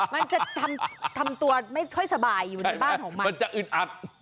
มันจะทำตัวไม่ค่อยสบายอยู่ในบ้านของมันมันจะอึดอัด